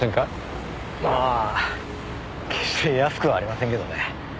まあ決して安くはありませんけどね。